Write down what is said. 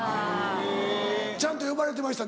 ・へぇ・ちゃんと呼ばれてました？